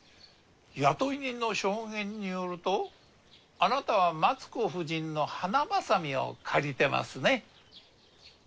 雇い人の証言によるとあなたは松子夫人の花バサミを借りてますね。